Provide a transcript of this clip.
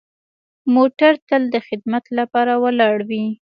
موټر تل د خدمت لپاره ولاړ وي.